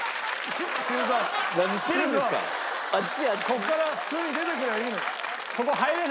ここから普通に出てくりゃいいのよ。